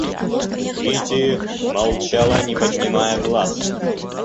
Кити молчала, не поднимая глаз.